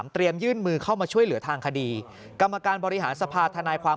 ยื่นมือเข้ามาช่วยเหลือทางคดีกรรมการบริหารสภาธนายความ